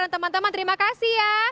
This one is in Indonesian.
dan teman teman terima kasih ya